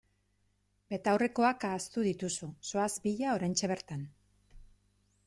Betaurrekoak ahaztu dituzu, zoaz bila oraintxe bertan!